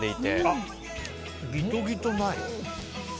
あっ、ギトギトない。